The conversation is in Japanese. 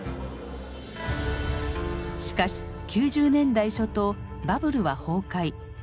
しかし９０年代初頭バブルは崩壊。